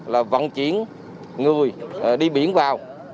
là vận chuyển người đi biển vào